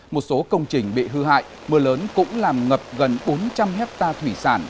một số công trình bị hư hại mưa lớn cũng làm ngập gần bốn trăm linh hectare thủy sản